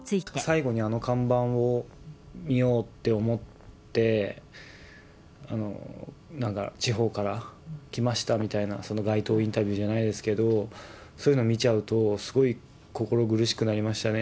最後にあの看板を見ようって思って、地方から来ましたみたいな、街頭インタビューじゃないですけど、そういうのを見ちゃうと、すごい心苦しくなりましたね。